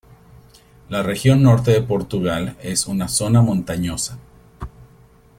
La Región Norte de Portugal es una zona montañosa.